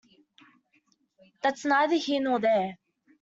That's neither here nor there.